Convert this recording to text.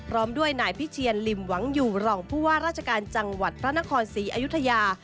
พร้อมด้วยนายพิเชียนลิมหวังอยู่รองผู้ว่าราชการจังหวัดพระนครศรีอยุธยา